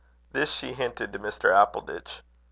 This she hinted to Mr. Appleditch.